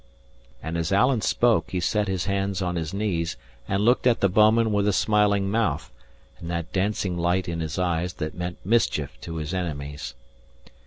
And as Alan spoke, he set his hands on his knees and looked at the bouman with a smiling mouth, and that dancing light in his eyes that meant mischief to his enemies.